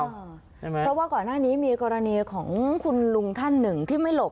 เพราะว่าก่อนหน้านี้มีกรณีของคุณลุงท่านหนึ่งที่ไม่หลบ